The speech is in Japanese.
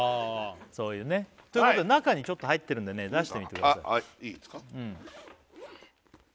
そういうねということで中に入ってるんで出してみてくださいいいですか？